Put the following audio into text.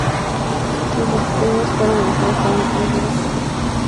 Sus entrañas fueron lanzadas a una hoguera cercana.